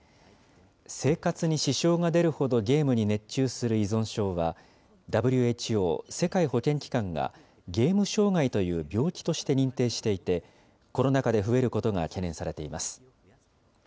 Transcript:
生活に支障が出るほどゲームに熱中する依存症は、ＷＨＯ・世界保健機関がゲーム障害という病気として認定していて、コロナ禍で増えることが懸念されています。